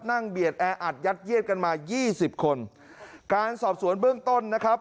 เบียดแออัดยัดเยียดกันมายี่สิบคนการสอบสวนเบื้องต้นนะครับ